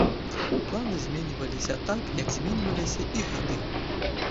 Планы зменьваліся так, як зменьваліся і гады.